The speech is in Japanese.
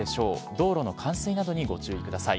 道路の冠水などにご注意ください。